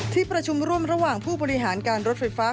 ที่ประชุมร่วมระหว่างผู้บริหารการรถไฟฟ้า